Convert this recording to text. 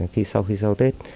khi sau khi sau tết